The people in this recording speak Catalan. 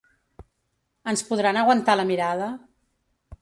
Ens podran aguantar la mirada?